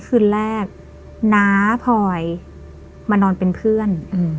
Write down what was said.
คืนแรกน้าพลอยมานอนเป็นเพื่อน